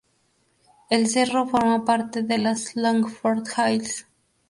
El cerro forma parte de las "Longford Hills".